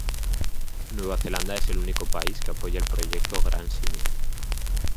Nueva Zelanda es el único país que apoya el Proyecto Gran Simio.